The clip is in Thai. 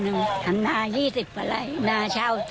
รู้เขาก็กลัวว่าคนมรัก